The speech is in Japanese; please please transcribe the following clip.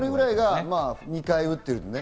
２回打ってるんだね。